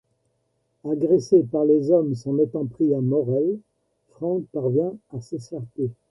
Agressé par les hommes s'en étant pris à Maurel, Franck parvient à s'échapper.